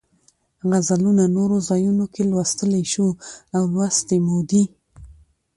غزلونه نورو ځایونو کې لوستلی شو او لوستې مو دي.